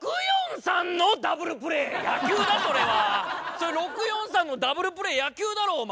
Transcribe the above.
それ６４３のダブルプレー野球だろお前。